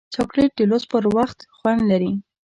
چاکلېټ د لوست پر وخت خوند لري.